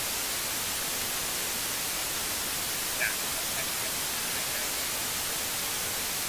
มองเห็นช่องทางใหม่หรือโอกาสของการแสวงหารายได้ในอนาคต